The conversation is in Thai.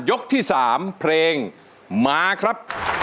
ยกที่๓เพลงมาครับ